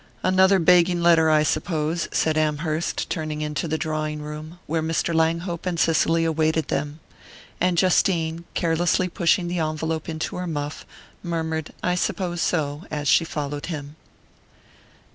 "Another begging letter, I suppose," said Amherst, turning into the drawing room, where Mr. Langhope and Cicely awaited them; and Justine, carelessly pushing the envelope into her muff, murmured "I suppose so" as she followed him.